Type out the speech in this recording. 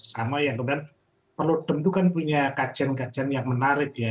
sama yang kemudian perlu tentu kan punya kajian kajian yang menarik ya